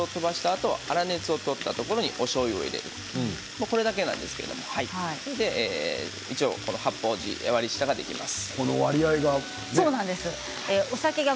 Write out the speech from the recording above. あと粗熱を取ったところにおしょうゆを入れるこれだけなんですけれどこれで八方地、割り下ができます。